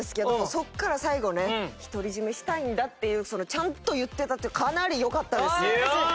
そこから最後ね独り占めしたいんだっていうちゃんと言ってたっていうかなりよかったです。